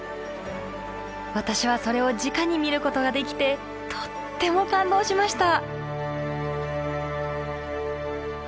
私はそれをじかに見ることができてとっても感動しました。